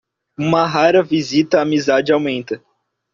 Uma rara visita à amizade aumenta.